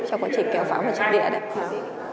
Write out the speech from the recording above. trong quá trình kéo pháo vào trận địa đấy